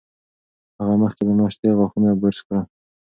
هغه مخکې له ناشتې غاښونه برس کړل.